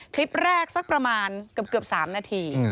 คลิปแรกสักประมาณเกือบ๓นาที